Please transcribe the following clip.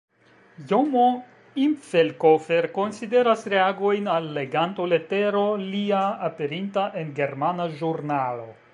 Jomo Ipfelkofer konsideras reagojn al leganto-letero lia, aperinta en germana ĵurnalo.